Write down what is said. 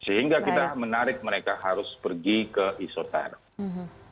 sehingga kita menarik mereka harus pergi ke isolasi terpusat